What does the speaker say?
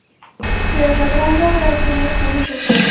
خو یو جګړن راغی او ټول یې خاموشه کړل.